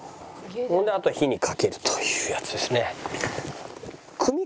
それであとは火にかけるというやつですね。